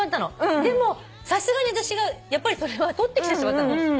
でもさすがに私がやっぱりそれは取ってきてしまったの。